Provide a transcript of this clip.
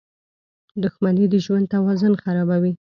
• دښمني د ژوند توازن خرابوي.